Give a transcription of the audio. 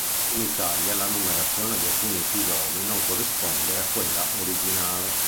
In Italia la numerazione di alcuni episodi non corrisponde a quella originale.